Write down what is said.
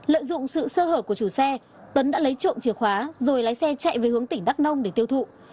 lợi dụng sự sơ hở của chủ xe tuấn đã lấy trộm chìa khóa rồi lái xe chạy về hướng tỉnh đắk nông để tiêu thụ